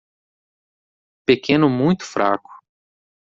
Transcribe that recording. Pequeno muito fraco